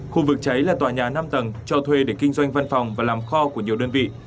khu vực cháy là tòa nhà năm tầng cho thuê để kinh doanh văn phòng và làm kho của nhiều đơn vị